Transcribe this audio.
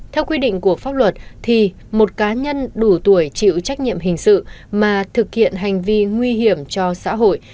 theo quy định của pháp luật thì một cá nhân đủ tuổi chịu trách nhiệm hình sự mà thực hiện hành vi nguy hiểm cho xã hội